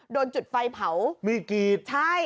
โดนจุดไฟเผาใช่มีกรีดอ้อ